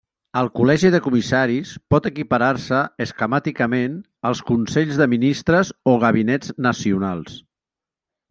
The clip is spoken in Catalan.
El Col·legi de Comissaris pot equiparar-se esquemàticament els Consells de Ministres o Gabinets nacionals.